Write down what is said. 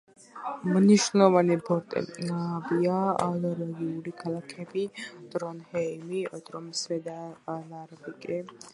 მნიშვნელოვანი პორტებია ნორვეგიული ქალაქები: ტრონჰეიმი, ტრომსე და ნარვიკი.